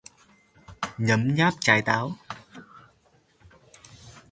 Nhấm nháp trái táo